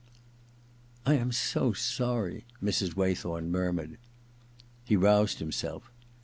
' I am so sorry,' Mrs. Waythorn murmured. He roused himself.